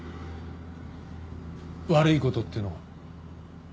「悪い事」っていうのは？